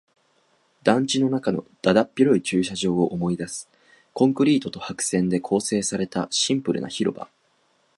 団地の中のだだっ広い駐車場を思い出す。コンクリートと白線で構成されたシンプルな広場。